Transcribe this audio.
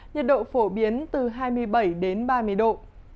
nhiệt độ phổ biến từ hai mươi bảy đến ba mươi độ